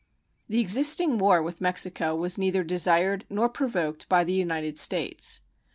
The existing war with Mexico was neither desired nor provoked by the United States.